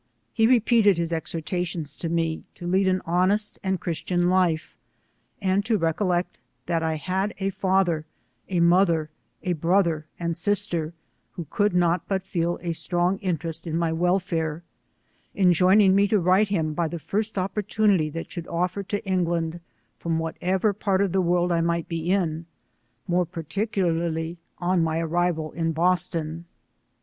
He re peated his exhortations to me to lead an honest and christian life, and to recollect that I had a father, a mother, a brother, and sister, who could not but feel a strong interest in my welfare, en joining me to write him by the first opportunity that should offer to England, from whatever part IS of the world I might be in, more particiiiarly on my arrival iu Boston.